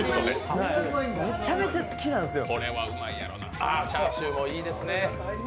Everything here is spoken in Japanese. めちゃめちゃ好きなんですよ。